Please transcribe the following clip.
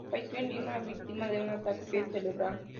Falleció en Lima, víctima de un ataque cerebral.